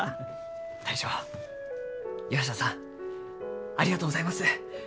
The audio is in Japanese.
大将岩下さんありがとうございます。